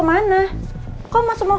elok nih kita lagi ke duniagu